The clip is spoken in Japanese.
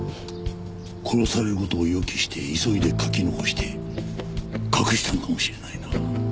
殺される事を予期して急いで書き残して隠したのかもしれないな。